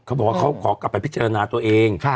เขาบอกว่าเขาขอกลับไปพิจารณาตัวเอง